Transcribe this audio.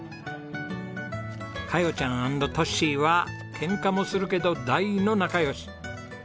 カヨちゃん＆トッシーはケンカもするけど大の仲良し！